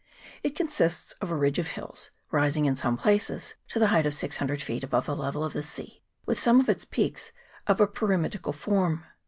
It consists of a ridge of hills, rising in some places to the height of 600 feet above the level of the sea, with some of its peaks of a pyramidical form.